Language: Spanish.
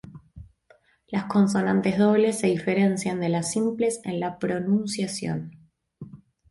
Las consonantes dobles se diferencian de las simples en la pronunciación.